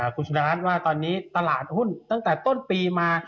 คุณชนะว่าตอนนี้ตลาดหุ้นตั้งแต่ต้นปีมา